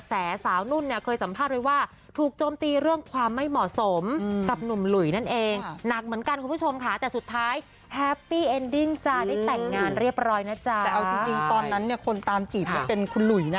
แต่เอาจริงตอนนั้นเนี่ยคนตามจีบมันเป็นคุณหลุยนะ